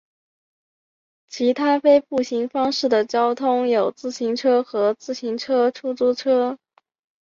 其他非步行方式的交通有自行车和自行车出租车。